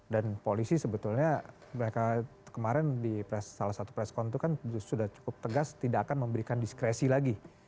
dan polisi sebetulnya mereka kemarin di salah satu presscon itu kan sudah cukup tegas tidak akan memberikan diskresi lagi